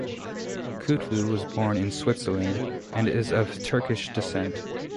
Kutlu was born in Switzerland and is of Turkish descent.